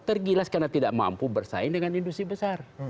tergilas karena tidak mampu bersaing dengan industri besar